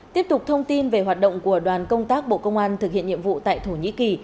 tiếp tục thông tin về hoạt động của đoàn công tác bộ công an thực hiện nhiệm vụ tại thổ nhĩ kỳ